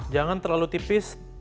jangan terlalu tipis